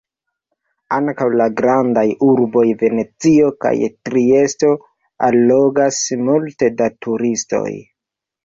Ankaŭ la grandaj urboj Venecio kaj Triesto allogas multe da turistoj.